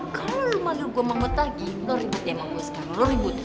kalo lo mandir gue mahmud lagi lo ribet ya sama gue sekarang lo ribet